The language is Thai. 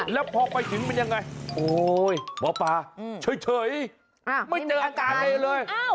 แล้วพอไปถึงมันยังไงโอ้ยหมอปลาเฉยไม่เจออาการอะไรเลย